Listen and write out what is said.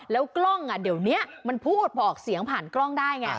แล้วกล้องเดี๋ยวนี้มันพูดบอกเสียงผ่านกล้องได้ไง